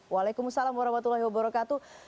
waalaikumsalam warahmatullahi wabarakatuh